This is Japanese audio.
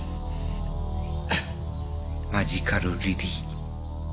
『マジカル・リリィ』。